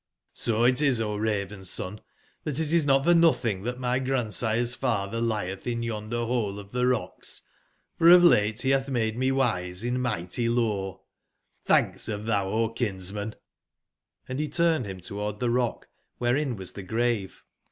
So it is, O Raven/son, tbat it is not for notbing tbat my grandsire's fatber lictb in yonder bole of tbc rocks; for of late be batb made me wise in migbty loreXbanhs bave tbou, O kinsman t "Hnd be turned bim toward tbe rock wberein was tbe grave.